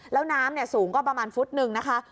แล้วน้ำสูงก็ประมาณฟุตหนึ่งนะคะ